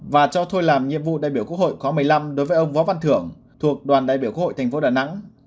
và cho thôi làm nhiệm vụ đại biểu quốc hội khóa một mươi năm đối với ông võ văn thưởng thuộc đoàn đại biểu quốc hội tp đà nẵng